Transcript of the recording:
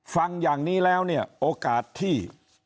ฟังอย่างนี้แล้วเนี่ยโอกาสที่